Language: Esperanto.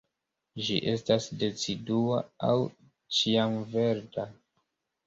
Ĝi estas decidua aŭ ĉiamverda.